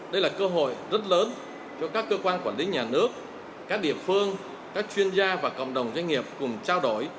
đây là cơ hội rất lớn cho các cơ quan quản lý nhà nước các địa phương các chuyên gia và cộng đồng doanh nghiệp cùng trao đổi